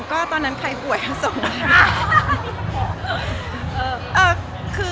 ก็ตอนนั้นใครป่วยก็ส่งมา